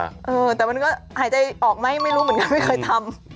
เออแต่มันก็หายใจออกไหมไม่รู้เหมือนกันไม่เคยทำ